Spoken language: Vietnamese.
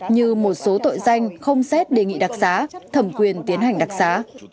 như một số tội danh không xét đề nghị đặc xá thẩm quyền tiến hành đặc xá